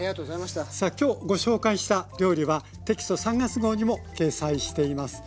今日ご紹介した料理はテキスト３月号にも掲載しています。